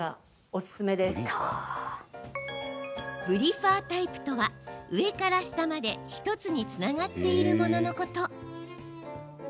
ブリファータイプとは上から下まで１つにつながっているもののこと。